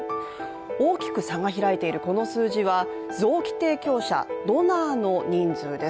大きく差が開いているこの数字は臓器提供者＝ドナーの人数です。